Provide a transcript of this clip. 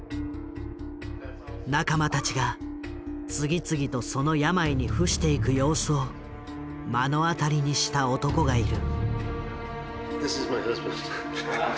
仲間たちが次々とその病に伏していく様子を目の当たりにした男がいる。